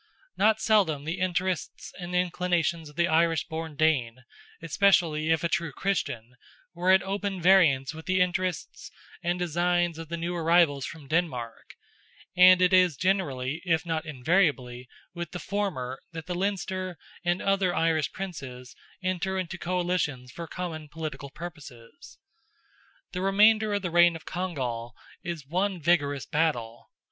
Not seldom the interests and inclinations of the Irish born Dane, especially if a true Christian, were at open variance with the interests and designs of the new arrivals from Denmark, and it is generally, if not invariably, with the former, that the Leinster and other Irish Princes enter into coalitions for common political purposes. The remainder of the reign of Congal is one vigorous battle.